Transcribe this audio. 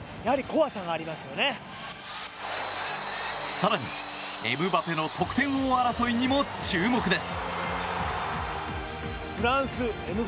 更に、エムバペの得点王争いにも注目です。